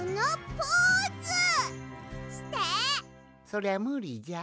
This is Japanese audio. そりゃむりじゃ。